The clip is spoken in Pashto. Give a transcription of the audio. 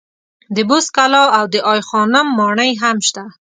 د بست کلا او دای خانم ماڼۍ هم شته.